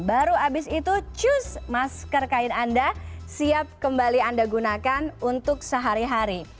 baru habis itu cus masker kain anda siap kembali anda gunakan untuk sehari hari